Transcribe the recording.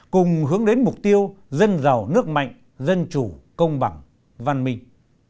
cùng hướng đến mục tiêu dân giàu nước mạnh dân chủ công bằng văn minh